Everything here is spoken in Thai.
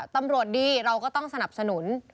ตำรวจดีเราก็ต้องสนับสนุน